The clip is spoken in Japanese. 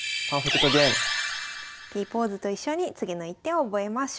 Ｐポーズと一緒に次の一手を覚えましょう。